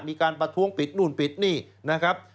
มีการประท้วงปิดนู่นปิดนี่นะครับ